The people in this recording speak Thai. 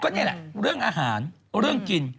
นี่แหละเรื่องอาหารเรื่องกิน